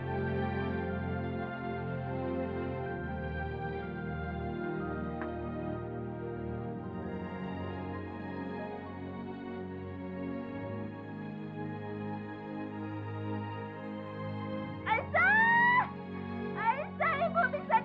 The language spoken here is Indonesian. iya bawanya dipegang